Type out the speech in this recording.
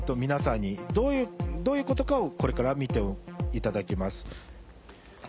皆さんにどういうことかをこれから見ていただきます。